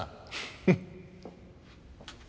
フッ。